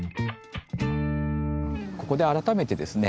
ここで改めてですね